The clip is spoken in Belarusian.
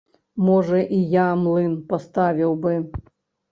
Можа і я млын паставіў бы.